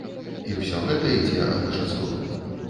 І ўсё гэта ідзе адначасова.